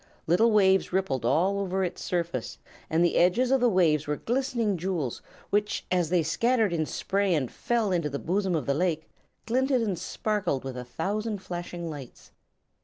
Little waves rippled all over its surface, and the edges of the waves were glistening jewels which, as they scattered in spray and fell into the bosom of the lake, glinted and sparkled with a thousand flashing lights.